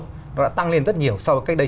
nó đã tăng lên rất nhiều so với cách đây